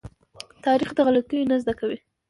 تاریخ د غلطيو نه زده کوي.